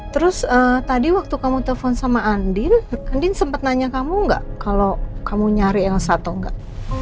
terus tadi waktu kamu telpon sama andin andin sempet nanya kamu nggak kalau kamu nyari elsa atau enggak